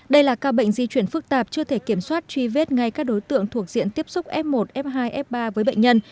đây là ca bệnh di chuyển phức tạp chưa thể kiểm soát truy vết ngay các đối tượng thuộc diện tiếp xúc f một f hai f ba với bệnh nhân